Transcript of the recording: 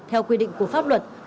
theo quy định của pháp luật